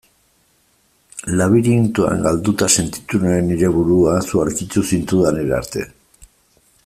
Labirintoan galduta sentitu nuen nire burua zu aurkitu zintudanera arte.